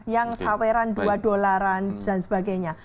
yang saweran dua dolaran dan sebagainya